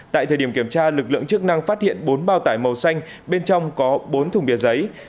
tại thời điểm kiểm tra lực lượng chức năng phát hiện bốn bao tải màu xanh bên trong có bốn thùng bia giấy